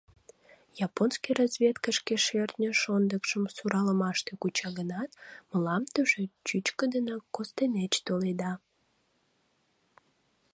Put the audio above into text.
Японский разведка шке шӧртньӧ шондыкшым суралымаште куча гынат, мылам тушеч чӱчкыдынак костенеч толеда.